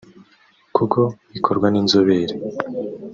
kuko bikorwa n’inzobere